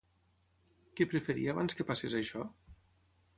Què preferia abans que passés això?